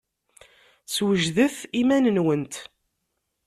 Swejdet iman-nwent.